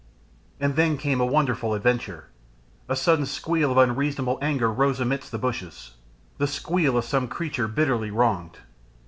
And then came a wonderful adventure. A sudden squeal of unreasonable anger rose amidst the bushes, the squeal of some creature bitterly wronged.